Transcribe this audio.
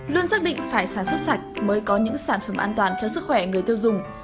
luôn xác định phải sản xuất sạch mới có những sản phẩm an toàn cho sức khỏe người tiêu dùng